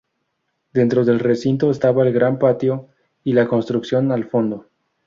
Dentro del recinto estaba el gran patio y la construcción al fondo.